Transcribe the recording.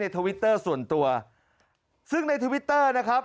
ทวิตเตอร์ส่วนตัวซึ่งในทวิตเตอร์นะครับ